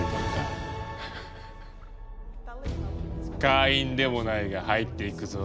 会員でもないが入っていくぞ！